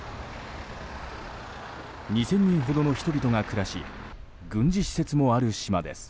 ２０００人ほどの人々が暮らし軍事施設もある島です。